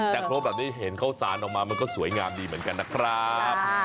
แต่โครงแบบนี้เห็นข้าวสารออกมามันก็สวยงามดีเหมือนกันนะครับ